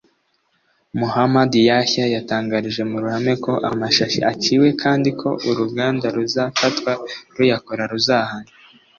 Mohamed Yahya yatangarije mu ruhame ko amashashi aciwe kandi ko uruganda ruzafatwa ruyakora ruzahanwa